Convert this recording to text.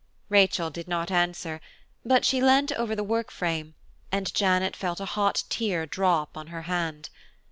Rachel did not answer, but she leant over the work frame, and Janet felt a hot tear drop on her hand.